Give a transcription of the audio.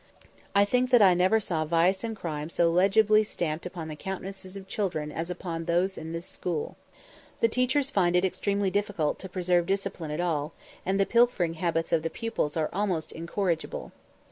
I think that I never saw vice and crime so legibly stamped upon the countenances of children as upon those in this school. The teachers find it extremely difficult to preserve discipline at all; and the pilfering habits of the pupils are almost incorrigible.